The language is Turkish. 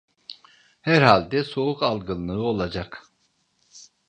Herhalde soğuk algınlığı olacak!